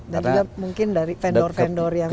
dan juga mungkin dari vendor vendor yang bisa